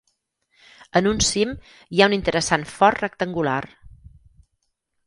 En un cim hi ha un interessant fort rectangular.